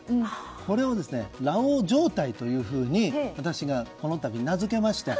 これを裸王状態というふうに私がこの度名づけました。